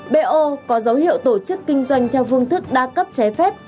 bo có dấu hiệu tổ chức kinh doanh theo phương thức đa cấp trái phép